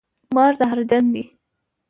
مار زهرجن دی